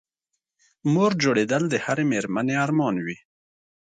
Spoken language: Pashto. مور جوړېدل د هرې مېرمنې ارمان وي